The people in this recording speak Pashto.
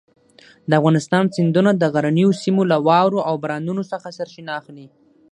د افغانستان سیندونه د غرنیو سیمو له واورو او بارانونو څخه سرچینه اخلي.